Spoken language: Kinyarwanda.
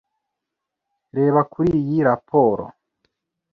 Reba kuri iyi raporo.